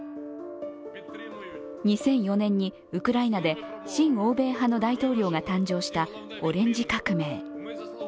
２００４年にウクライナで親欧米派の大統領が誕生したオレンジ革命。